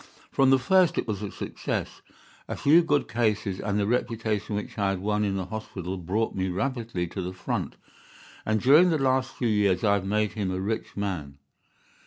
From the first it was a success. A few good cases and the reputation which I had won in the hospital brought me rapidly to the front, and during the last few years I have made him a rich man.